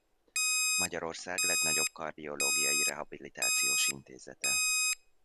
Magyarország legnagyobb kardiológiai rehabilitációs intézete.